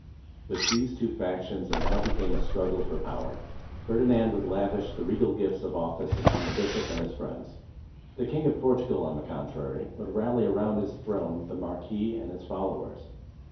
With these two factions it now became a struggle for power. Ferdinand would lavish the regal gifts of office upon the bishop and his friends. The Kjng of Portugal, on the contrary, would rally around his throne the mar quis and his followers.